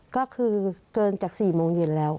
ก็คือเติมจากสี่โมงหยินแล้ว